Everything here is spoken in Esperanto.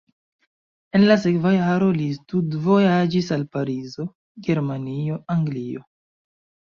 En la sekva jaro li studvojaĝis al Parizo, Germanio, Anglio.